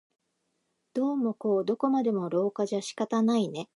どうもこうどこまでも廊下じゃ仕方ないね